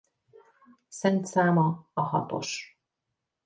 Szent száma a hatos.